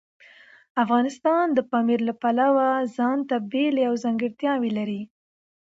افغانستان د پامیر له پلوه ځانته بېلې او ځانګړتیاوې لري.